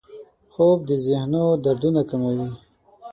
خوب د ذهنو دردونه کموي